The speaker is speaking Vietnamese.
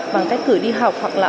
bằng cách cử đi học hoặc là